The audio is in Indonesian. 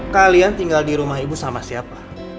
kalian tinggal di rumah ibu sama siapa